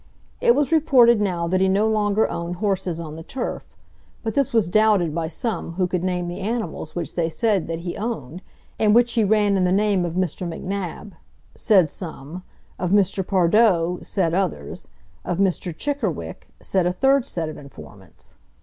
It was reported now that he no longer owned horses on the turf; but this was doubted by some who could name the animals which they said that he owned, and which he ran in the name of Mr. Macnab, said some; of Mr. Pardoe, said others; of Mr. Chickerwick, said a third set of informants.